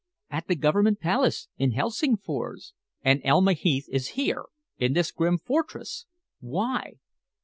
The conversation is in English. "At the Government Palace, in Helsingfors." "And Elma Heath is here in this grim fortress! Why?"